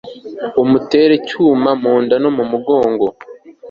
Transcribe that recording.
amutera icyuma mu nda no mu mugongo